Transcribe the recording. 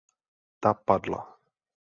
Ta padla.